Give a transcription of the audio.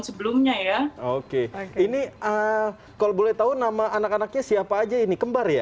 sebelumnya ya oke ini kalau boleh tahu nama anak anaknya siapa aja ini kembar ya